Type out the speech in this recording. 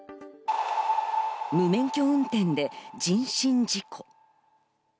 無免許運転で人身事故。